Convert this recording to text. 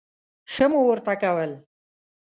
ښه مو ورته کول.